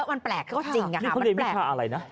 มันแปลกก็จริงค่ะมันแปลกนี่เราเรียกเจ้าอะไรนะ